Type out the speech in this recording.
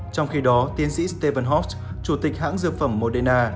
trong khi đó tiến sĩ stephen hoffs chủ tịch hãng dược phẩm moderna